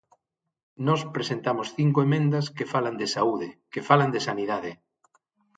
Nós presentamos cinco emendas que falan de saúde, que falan de sanidade.